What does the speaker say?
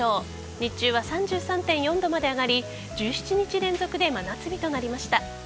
日中は３３．４度まで上がり１７日連続で真夏日となりました。